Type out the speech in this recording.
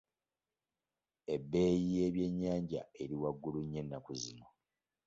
Ebbeeyi y'ebyennyanja eri waggulu nnyo ennaku zino.